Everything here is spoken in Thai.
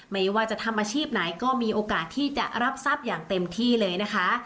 ไม่ว่าจะทำอาชีพไหนก็มีโอกาสที่จะรับทรัพย์อย่างเต็มที่เลยนะคะ